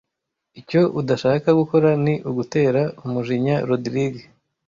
Icyo udashaka gukora ni ugutera umujinya Rogride.